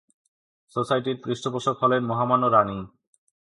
সোসাইটির পৃষ্ঠপোষক হলেন মহামান্য রানী।